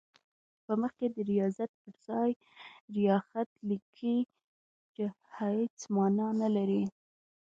په مخ کې د ریاضت پر ځای ریاخت لیکي چې هېڅ معنی نه لري.